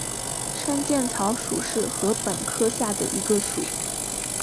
山涧草属是禾本科下的一个属。